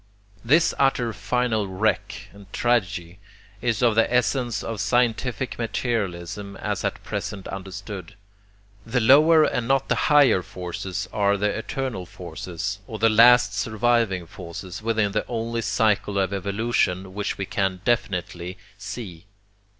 This utter final wreck and tragedy is of the essence of scientific materialism as at present understood. The lower and not the higher forces are the eternal forces, or the last surviving forces within the only cycle of evolution which we can definitely see.